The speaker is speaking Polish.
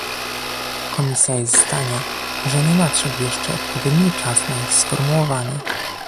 Komisja jest zdania, że nie nadszedł jeszcze odpowiedni czas na ich sformułowanie